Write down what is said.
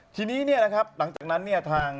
ทีนี้เนี่ยนะครับหลังจากนั้นเนี่ยทาง